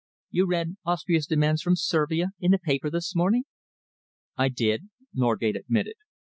You read Austria's demands from Servia in the paper this morning?" "I did," Norgate admitted.